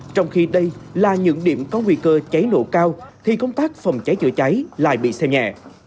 trong khi đây là những điểm có nguy cơ cháy nổ cao thì công tác phòng cháy chữa cháy lại bị xem nhẹ